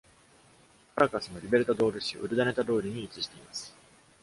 カラカスのリベルタドール市ウルダネタ通りに位置しています。